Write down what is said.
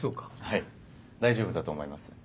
はい大丈夫だと思います。